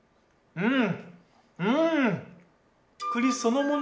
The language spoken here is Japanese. うん！